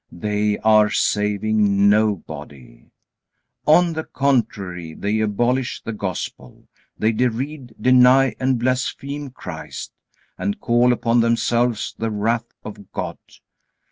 They are saving nobody. On the contrary, they abolish the Gospel, they deride, deny, and blaspheme Christ, and call upon themselves the wrath of God.